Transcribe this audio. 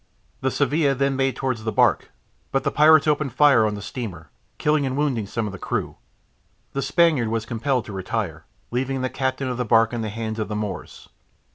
The Sevilla then made towards the barque, but the pirates opened fire on the steamer, killing and wounding some of the crew. The Spaniard was compelled to retire, leaving the captain of the barque in the hands of the Moors.